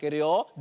で